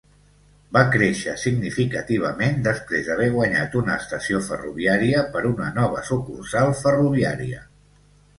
Va créixer significativament després d'haver guanyat una estació ferroviària per una nova sucursal ferroviària.